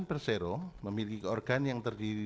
persero memiliki organ yang terdiri